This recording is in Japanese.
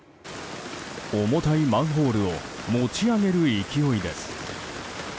重たいマンホールを持ち上げる勢いです。